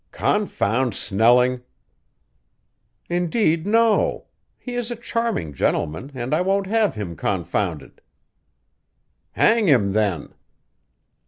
"Confound Snelling!" "Indeed, no. He is a charming gentleman, and I won't have him confounded." "Hang him then."